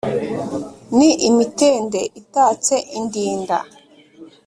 ni imitende itatse indinda.